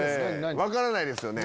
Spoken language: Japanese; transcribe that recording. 分からないですよね。